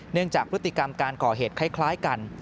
จากพฤติกรรมการก่อเหตุคล้ายกัน